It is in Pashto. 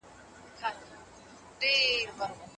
ملکیار د ترنک سیند څپې په ډېر هنر انځوروي.